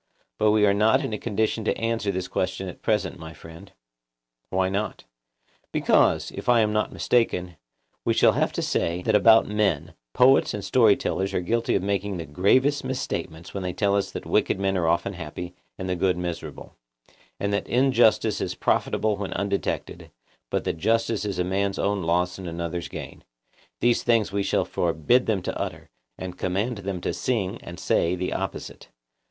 But we are not in a condition to answer this question at present, my friend. Why not? Because, if I am not mistaken, we shall have to say that about men poets and story tellers are guilty of making the gravest misstatements when they tell us that wicked men are often happy, and the good miserable; and that injustice is profitable when undetected, but that justice is a man's own loss and another's gain—these things we shall forbid them to utter, and command them to sing and say the opposite.